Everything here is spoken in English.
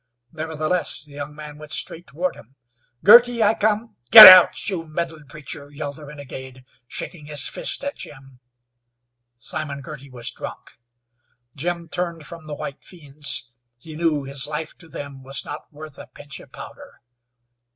Nevertheless the young man went straight toward him. "Girty, I come " "Git out! You meddlin' preacher!" yelled the renegade, shaking his fist at Jim. Simon Girty was drunk. Jim turned from the white fiends. He knew his life to them was not worth a pinch of powder.